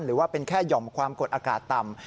หรือว่าเป็นแค่หย่อมความกดอากาศต่ำ